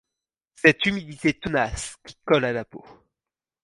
Cette humidité tenace qui colle à la peau